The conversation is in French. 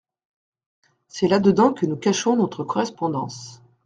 C’est là dedans que nous cachons notre correspondance.